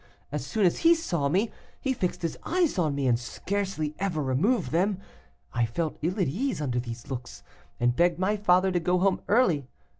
As soon as he saw me, he fixed his eyes on me, and scarcely ever removed them. I felt ill at ease under these looks, and begged my father to go home early.